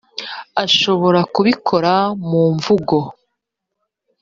ashobora kubikora mu mvugo